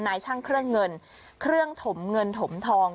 นายช่างเครื่องเงินเครื่องถมเงินถมทอง